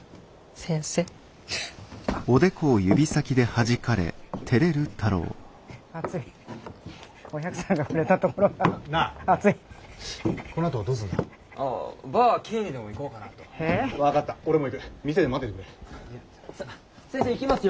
先生ほら行きますよ。